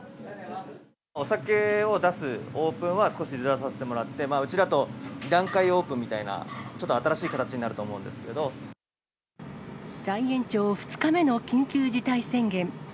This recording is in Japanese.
お酒を出すオープンは少しずらさせてもらって、うちだと２段階オープンみたいな、ちょっと新しい形になると思うん再延長２日目の緊急事態宣言。